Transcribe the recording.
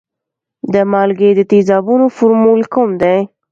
د مالګې د تیزابونو فورمول کوم دی؟